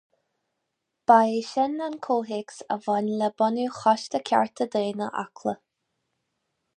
Ba é sin an comhthéacs a bhain le bunú Choiste Cearta Daonna Acla.